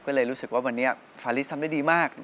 ก็เลยรู้สึกว่าวันนี้ฟาลิสทำได้ดีมาก